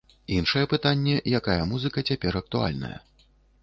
Іншае пытанне, якая музыка цяпер актуальная.